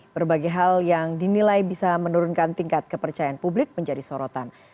berbagai hal yang dinilai bisa menurunkan tingkat kepercayaan publik menjadi sorotan